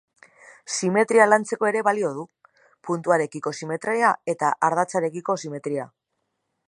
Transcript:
Simetria lantzeko ere balio du: puntuarekiko simetria eta ardatzarekiko simetria.